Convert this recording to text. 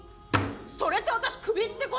それって私クビってこと？